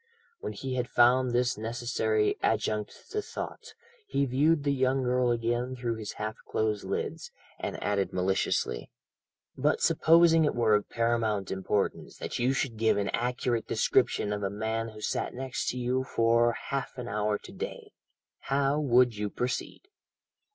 When he had found this necessary "adjunct to thought," he viewed the young girl again through his half closed lids, and added maliciously: "But supposing it were of paramount importance that you should give an accurate description of a man who sat next to you for half an hour to day, how would you proceed?"